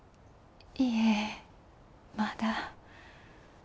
いえまだ。